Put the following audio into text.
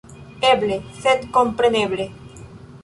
Eble, sed kompreneble.